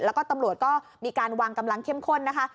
แล้วก็ตำรวจก็มีการวางกำลังเข้มข้นนะคะ